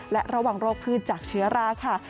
และระวังโรคพืชจากเชื้อราค่ะ